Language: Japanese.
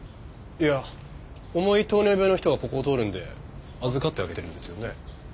いや重い糖尿病の人がここを通るんで預かってあげてるんですよね？